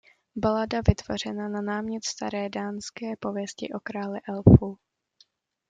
Balada vytvořena na námět staré dánské pověsti o králi elfů.